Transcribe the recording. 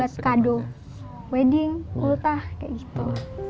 buat kado wedding ulta kayak gitu